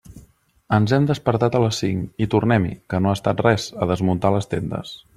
Ens hem despertat a les cinc, i tornem-hi, que no ha estat res, a desmuntar les tendes.